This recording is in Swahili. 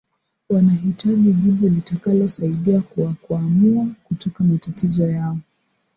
wanahitaji jibu litakalosaidia kuwakwamua kutoka matatizo yao